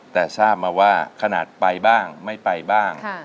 แต่ทราบมาว่าขนาดไปบ้างไม่ไปบ้าง